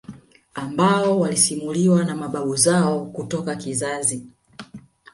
ambao walisimuliwa na mababu zao kutoka kizazi